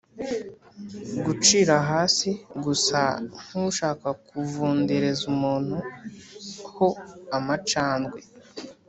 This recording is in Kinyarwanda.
gucira hasi; gusa nk'ushaka kuvu ndereza umuntu ho amaca ndwe;